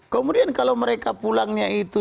kemudian kalau mereka pulangnya itu